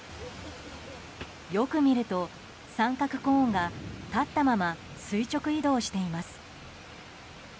よく見ると三角コーンが立ったまま垂直移動しています。